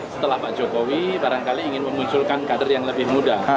setelah pak jokowi barangkali ingin memunculkan kader yang lebih muda